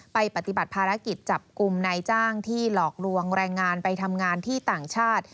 ปฏิบัติภารกิจจับกลุ่มนายจ้างที่หลอกลวงแรงงานไปทำงานที่ต่างชาติ